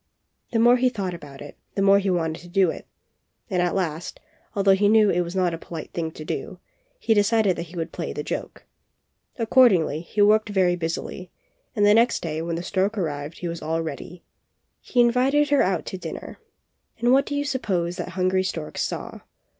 The more he thought about it, the more he wanted to do it; and at last, although he knew it was not a polite thing to do, he decided that he would play the joke. Accord ingly, he worked very busily, and the next day when the stork arrived he was all ready. He invited her out to dinner, and what do you suppose that hungry stork saw?